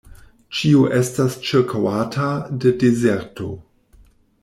Ĉio estas ĉirkaŭata de dezerto.